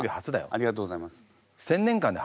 ありがとうございます。